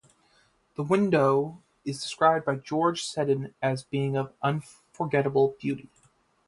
The window is described by George Seddon as being of "unforgettable beauty".